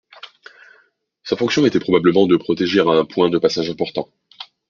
Sa fonction était probablement de protéger un point de passage important.